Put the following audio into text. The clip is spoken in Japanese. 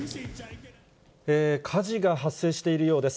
火事が発生しているようです。